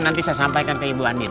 nanti saya sampaikan ke ibu andi